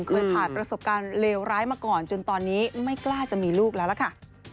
เคยผ่านประสบการณ์เลวร้ายมาก่อนจนตอนนี้ไม่กล้าจะมีลูกแล้วล่ะค่ะ